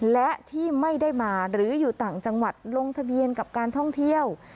และที่ไม่ได้มาหรืออยู่ต่างจังหวัดลงทะเบียนกับการท่องเที่ยว